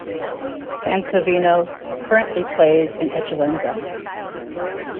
Sansovino currently plays in Eccellenza.